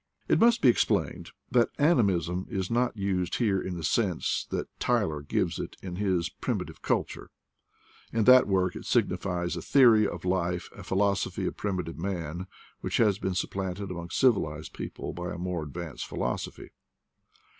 It must be explained that animism is not used here in the sense that Tyler gives it in his Primi tive Culture: in that work it signifies a theory of life, a philosophy of primitive man, which has been supplanted among civilized people by a more advanced philosophy.